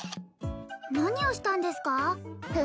何をしたんですか？